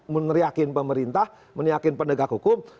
meneriakin pemerintah meneriakin pendegak hukum